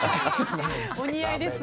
お似合いです。